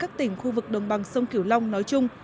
các tỉnh khu vực đồng bằng sông kiểu long nói chung